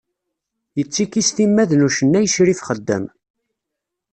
Yettiki s timmad n ucennay Crif Xeddam.